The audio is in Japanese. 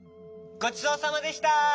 ごちそうさまでした！